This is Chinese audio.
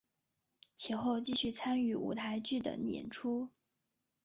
其后继续参与舞台剧等演出。